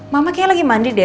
mama kayaknya lagi mandi deh